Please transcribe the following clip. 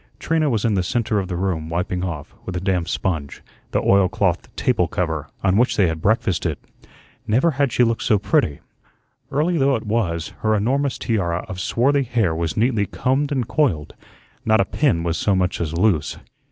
Trina was in the centre of the room, wiping off, with a damp sponge, the oilcloth table cover, on which they had breakfasted. Never had she looked so pretty. Early though it was, her enormous tiara of swarthy hair was neatly combed and coiled, not a pin was so much as loose.